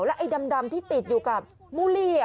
ไอ้ดำที่ติดอยู่กับมูลลี่